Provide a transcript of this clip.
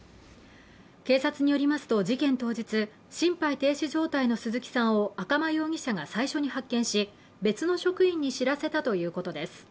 警察によりますと、事件当日、心肺停止状態の鈴木さんを赤間容疑者が最初に発見し、別の職員に知らせたということです。